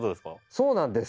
そうなんです。